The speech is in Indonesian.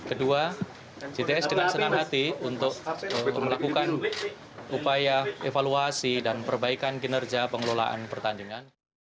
kedua gts dengan senang hati untuk melakukan upaya evaluasi dan perbaikan kinerja pengelolaan pertandingan